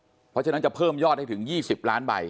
เพราะฉะนั้นจะเพิ่มยอดให้ถึง๒๐ล้านใบ